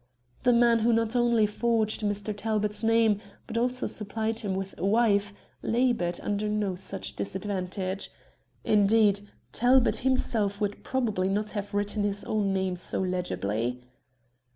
The man who not only forged Mr. Talbot's name, but also supplied him with a wife, laboured under no such disadvantage. Indeed, Talbot himself would probably not have written his own name so legibly.